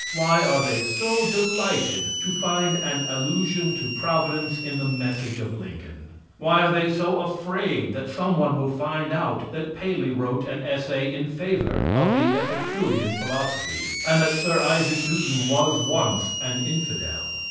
Why are they so delighted to find an allusion to providence in the message of Lincoln? Why are they so afraid that some one will find out that Paley wrote an essay in favor of the Epicurean philosophy, and that Sir Isaac Newton was once an infidel?